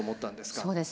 そうですね。